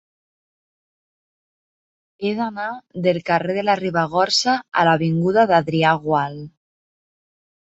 He d'anar del carrer de la Ribagorça a l'avinguda d'Adrià Gual.